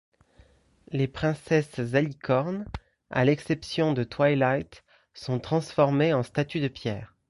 Les princesses alicornes, à l’exception de Twilight, sont transformées en statues de pierre.